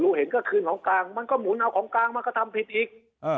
เห็นก็คืนของกลางมันก็หมุนเอาของกลางมากระทำผิดอีก